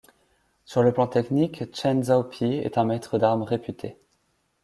Sur le plan technique, Chen Zhaopi est un maître d'armes réputé.